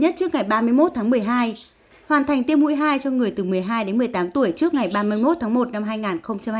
tháng một mươi hai hoàn thành tiêm mũi hai cho người từ một mươi hai đến một mươi tám tuổi trước ngày ba mươi một tháng một năm hai nghìn hai mươi hai